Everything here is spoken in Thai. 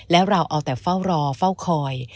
แล้วเราเอาแต่เฝ้ารอเฝ้าคอย